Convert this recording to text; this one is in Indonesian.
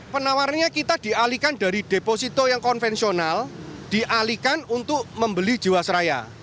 penawarnya kita dialihkan dari deposito yang konvensional dialihkan untuk membeli jiwasraya